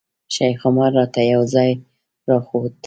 شیخ عمر راته یو ځای راوښود.